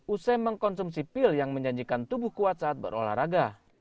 usai mengkonsumsi pil yang menjanjikan tubuh kuat saat berolahraga